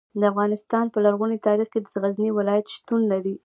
د افغانستان په لرغوني تاریخ کې د غزني ولایت شتون لري.